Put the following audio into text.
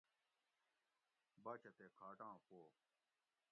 باچہ تے کھاٹاں پو